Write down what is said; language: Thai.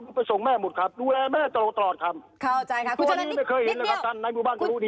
ทั่วนี้ไม่เคยเห็นเลยอาทารณทรัพย์บ้านเขารู้ดีครับ